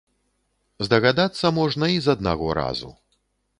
Здагадацца можна і з аднаго разу.